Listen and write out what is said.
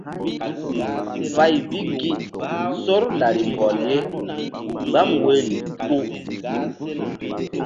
Fay bi gi sor lari mbɔl ye gbam woyri ku.